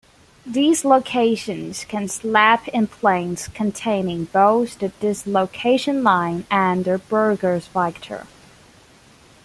Dislocations can slip in planes containing both the dislocation line and the Burgers vector.